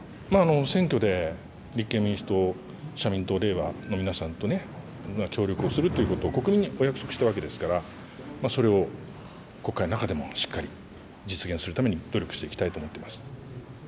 選挙で立憲民主党、社民党、れいわの皆さんとね、協力をするということを国民にお約束したわけですから、それを国会の中でもしっかり実現するために努力していきたいと思っています。